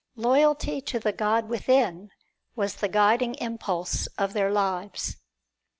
Loyalty to the God within was the guiding impulse of their lives.